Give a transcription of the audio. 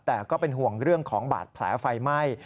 แต่ก็เป็นห่วงเรื่องของบาดแผลไฟไหม้